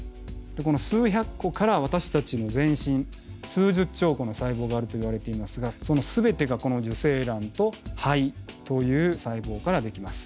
この数百個から私たちの全身数十兆個の細胞があるといわれていますがその全てがこの受精卵と胚という細胞からできます。